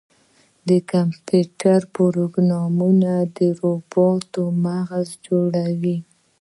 د کمپیوټر پروګرامونه د روبوټ مغز جوړوي.